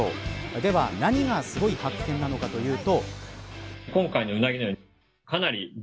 では、何がすごい発見なのかというと。